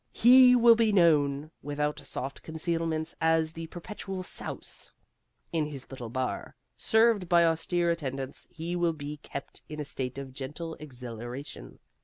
He will be known, without soft concealments, as the Perpetual Souse. In his little bar, served by austere attendants, he will be kept in a state of gentle exhilaration.